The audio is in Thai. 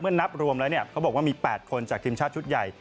นับรวมแล้วเขาบอกว่ามี๘คนจากทีมชาติชุดใหญ่